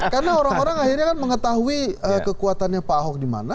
karena orang orang akhirnya kan mengetahui kekuatannya pak ahok di mana